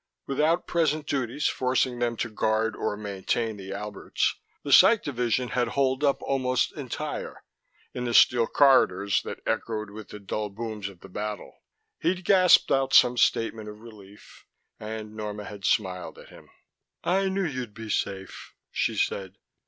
Without present duties forcing them to guard or maintain the Alberts, the Psych division had holed up almost entire in the steel corridors that echoed with the dull booms of the battle. He'd gasped out some statement of relief, and Norma had smiled at him. "I knew you'd be safe," she said.